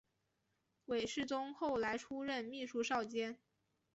韦士宗后来出任秘书少监。